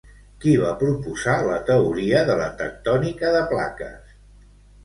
Qui va proposar la teoria de la tectònica de plaques?